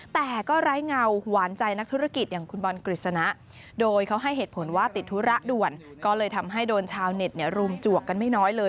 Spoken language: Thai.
แต่ก็ไร้เงาหวานใจนักธุรกิจอย่างคุณบอลกฤษณะโดยเขาให้เหตุผลว่าติดธุระด่วนก็เลยทำให้โดนชาวเน็ตรุมจวกกันไม่น้อยเลย